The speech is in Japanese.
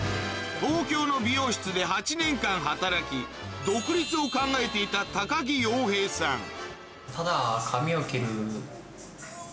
東京の美容室で８年間働き独立を考えていた高木洋平さん